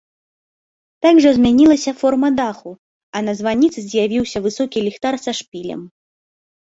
Так жа змянілася форма даху, а на званіцы з'явіўся высокі ліхтар са шпілем.